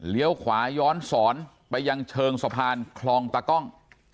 เลี้ยวขวาย้อนศรไปยังเชิงสะพานคลองตากล้อง